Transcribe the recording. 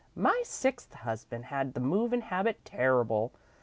My sixth husband had the movin' habit terrible.